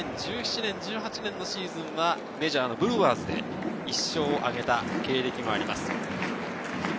２０１７−１８年のシーズンはメジャーのブルワーズで１勝を挙げた経歴があります。